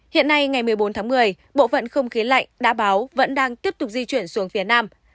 hiện nay ngày một mươi bốn tháng một mươi bộ phận không khí lạnh đã báo vẫn đang tiếp tục di chuyển xuống phía nam